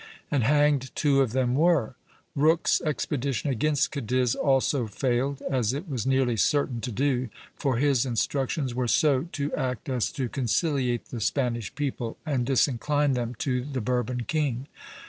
And hanged two of them were. Rooke's expedition against Cadiz also failed, as it was nearly certain to do; for his instructions were so to act as to conciliate the Spanish people and disincline them to the Bourbon king.